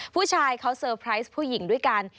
ผู้ชายเขาเซอร์ไพรส์ผู้หญิงด้วยกัน